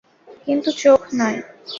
কিন্তু চোখ নয়।